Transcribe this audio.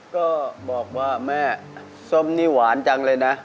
ก็บอกว่าแม่ส้มนี่หวานจังเลยนะ